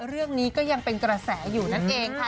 เรื่องนี้ก็ยังเป็นกระแสอยู่นั่นเองค่ะ